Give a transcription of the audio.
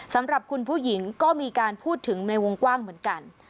สำหรับคุณผู้หญิงก็มีการพูดถึงในวงกว้างเหมือนกัน